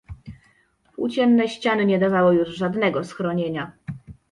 Płócienne ściany nie dawały już żadnego schronienia.